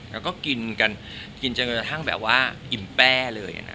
แล้วก็กินกันทั้งแบบว่าอิ่มแป้เลย